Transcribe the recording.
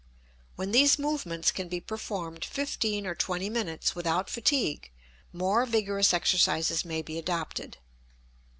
When these movements can be performed fifteen or twenty minutes without fatigue more vigorous exercises may be adopted.